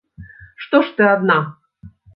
Што ж ты адна?